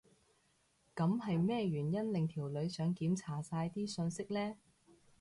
噉係咩原因令條女想檢查晒啲訊息呢？